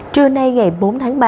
trưa nay ngày bốn tháng ba